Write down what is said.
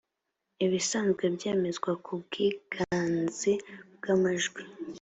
ibisanzwe byemezwa ku bwiganze bw’amajwi